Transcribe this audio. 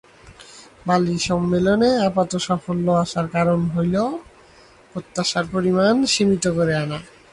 বালি সম্মেলনে আপাতসাফল্য আসার কারণ হলো, প্রত্যাশার পরিমাণ সীমিত করে আনা।